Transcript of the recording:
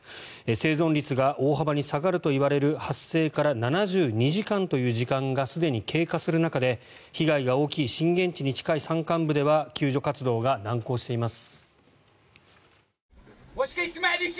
生存率が大幅に下がるといわれる発生から７２時間という時間がすでに経過する中で被害が大きい震源地に近い山間部では救助活動が難航しています。